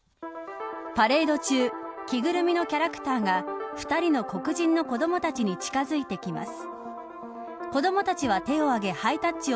パレード中着ぐるみのキャラクターが２人の黒人の子どもたちに近づいてきます。